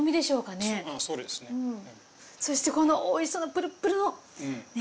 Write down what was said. そしてこのおいしそうなプルプルのね。